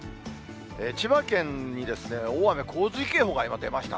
千葉県に大雨洪水警報が今、出ました。